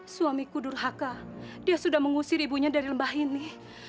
suamiku durhaka dia sudah mengusir ibunya dari lembah ini